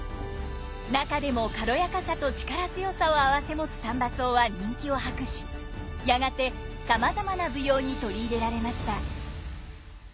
中でも軽やかさと力強さを併せ持つ三番叟は人気を博しやがてさまざまな舞踊に取り入れられました。